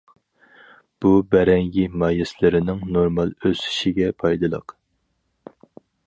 بۇ، بەرەڭگى مايسىلىرىنىڭ نورمال ئۆسۈشىگە پايدىلىق.